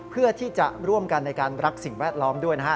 เพื่อที่จะร่วมกันในการรักสิ่งแวดล้อมด้วยนะฮะ